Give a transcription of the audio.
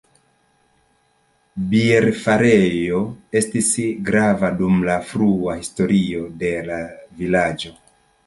Bierfarejo estis grava dum la frua historio de la vilaĝo.